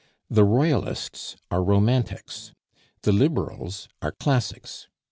The Royalists are 'Romantics,' the Liberals are 'Classics.